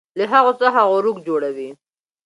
له هغو څخه غروق جوړوي